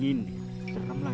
heheheh ada aja